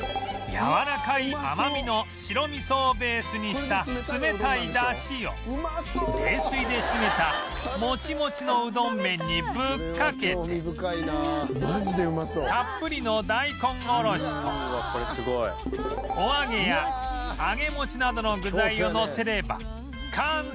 やわらかい甘みの白味噌をベースにした冷たいダシを冷水で締めたモチモチのうどん麺にぶっかけてたっぷりの大根おろしとお揚げや揚げ餅などの具材をのせれば完成！